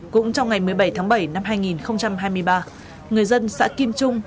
cũng trong ngày một mươi bảy tháng bảy năm hai nghìn hai mươi ba người dân xã kim trung